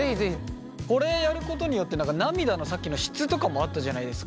これやることによって何か涙のさっきの質とかもあったじゃないですか。